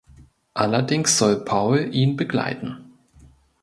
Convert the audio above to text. Allerdings soll Paul ihn begleiten.